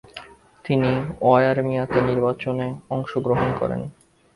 তিনি অয়ারমিয়াতে নির্বাচনে অংসগ্রহণ করেন।